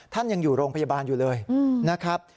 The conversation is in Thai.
ท่านยังอยู่โรงพยาบาลอยู่เลยนะครับ